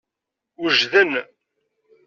Wejden.